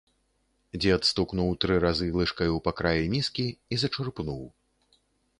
Дзед стукнуў тры разы лыжкаю па краі міскі і зачэрпнуў.